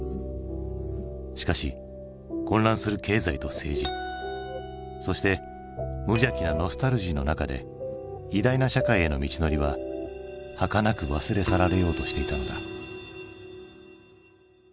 しかし混乱する経済と政治そして無邪気なノスタルジーの中で「偉大な社会」への道のりははかなく忘れ去られようとしていたのだ。